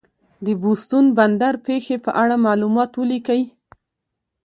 د بوستون بندر پېښې په اړه معلومات ولیکئ.